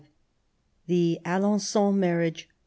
THE ALEN5ON MARRIAGE.